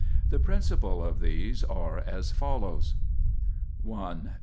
The principal of these are as follows : (i) pp.